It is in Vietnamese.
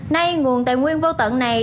nay nguồn tây nguyên vô tận này